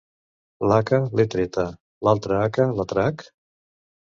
L'haca l'he treta, l'altra haca la trac?